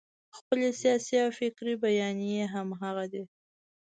خپلې سیاسي او فکري بیانیې همغه دي.